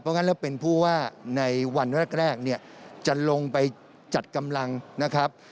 งั้นแล้วเป็นผู้ว่าในวันแรกเนี่ยจะลงไปจัดกำลังนะครับ